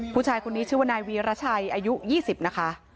ผู้ชายคนนี้ชื่อว่านายวีรชัยอายุ๒๐นะคะ